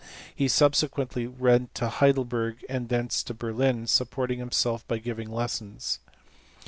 He subsequently went to Heidelberg and thence to Berlin, supporting himself by giving lessons.